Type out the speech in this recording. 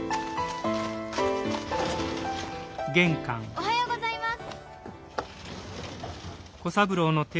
・おはようございます！